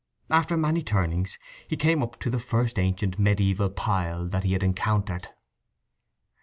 After many turnings he came up to the first ancient mediæval pile that he had encountered.